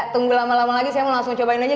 tunggu lama lama lagi saya mau langsung cobain aja